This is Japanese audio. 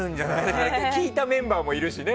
聞いたメンバーもいるしね。